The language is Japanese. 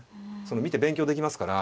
見て勉強できますから。